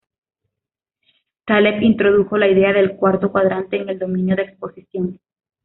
Taleb introdujo la idea del "cuarto cuadrante" en el dominio de exposición.